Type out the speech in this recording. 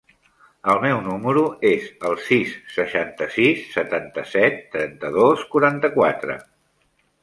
El meu número es el sis, seixanta-sis, setanta-set, trenta-dos, quaranta-quatre.